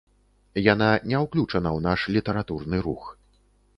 Яна не ўключана ў наш літаратурны рух.